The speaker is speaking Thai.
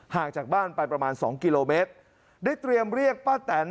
ห่างจากบ้านไปประมาณสองกิโลเมตรได้เตรียมเรียกป้าแตน